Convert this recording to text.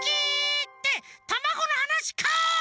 ってたまごのはなしかい！